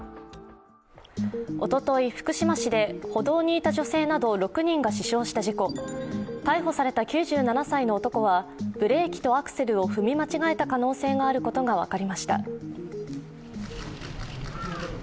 おととい、福島市で歩道にいた女性など６人が死傷した事故、逮捕された９７歳の男はブレーキとアクセルを踏み間違えた可能性があることが分かりました。